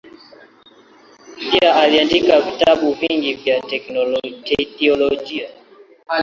Pia aliandika vitabu vingi vya teolojia.